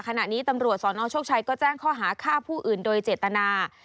ขณะนี้ตำรวจสนโชคชัยก็แจ้งข้อหาฆ่าผู้อื่นโดยเจตนา